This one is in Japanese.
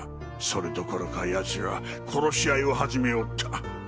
それどころか奴ら殺し合いを始めおった。